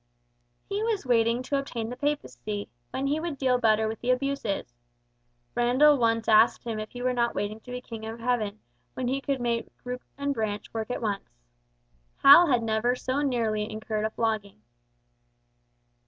He was waiting to obtain the papacy, when he would deal better with the abuses. Randall once asked him if he were not waiting to be King of Heaven, when he could make root and branch work at once. Hal had never so nearly incurred a flogging!